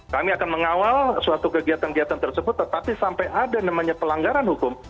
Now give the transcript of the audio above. kami akan mengawal suatu kegiatan kegiatan tersebut tetapi sampai ada namanya pelanggaran hukum